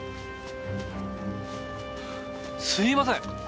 すいません！